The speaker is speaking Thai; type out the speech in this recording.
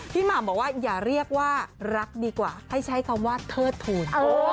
หม่ำบอกว่าอย่าเรียกว่ารักดีกว่าให้ใช้คำว่าเทิดทูล